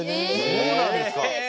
そうなんですか？